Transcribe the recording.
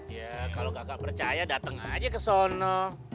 iya kalo kagak percaya dateng aja ke sono